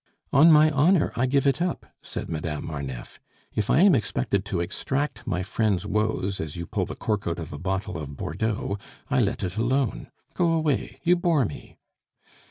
"On my honor, I give it up!" said Madame Marneffe. "If I am expected to extract my friend's woes as you pull the cork out of a bottle of Bordeaux, I let it alone. Go away, you bore me."